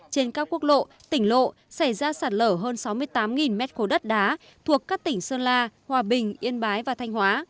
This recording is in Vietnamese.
trên các quốc lộ tỉnh lộ xảy ra sạt lở hơn sáu mươi tám m ba đất đá thuộc các tỉnh sơn la hòa bình yên bái và thanh hóa